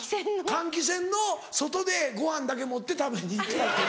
換気扇の外でご飯だけ持って食べに行ってた。